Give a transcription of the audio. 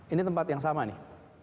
ini tempat yang sama nih